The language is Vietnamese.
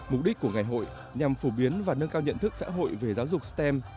mục đích của ngày hội nhằm phổ biến và nâng cao nhận thức xã hội về giáo dục stem